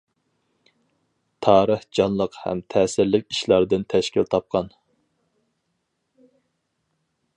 تارىخ جانلىق ھەم تەسىرلىك ئىشلاردىن تەشكىل تاپقان.